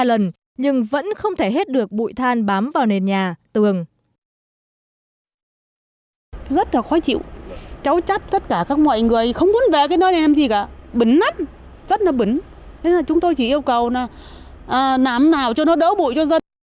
ba lần nhưng vẫn không thể hết được bụi than bám vào nền nhà tường